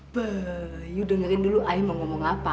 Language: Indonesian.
beuh yu dengerin dulu ayah mau ngomong apa